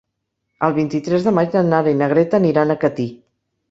El vint-i-tres de maig na Nara i na Greta aniran a Catí.